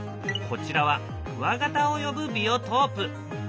こちらはクワガタを呼ぶビオトープ。